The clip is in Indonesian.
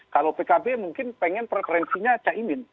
kalau pkb mungkin pengen preferensinya caimin